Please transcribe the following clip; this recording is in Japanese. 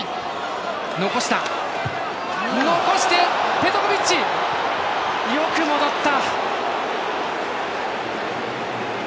ペトコビッチ、よく戻った！